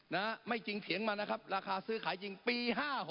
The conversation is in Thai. นะฮะไม่จริงเถียงมานะครับราคาซื้อขายจริงปี๕๖